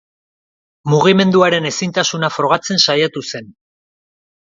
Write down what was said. Mugimenduaren ezintasuna frogatzen saiatu zen.